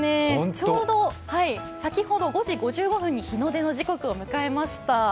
ちょうど先ほど５時５５分に日の出の時刻を迎えました。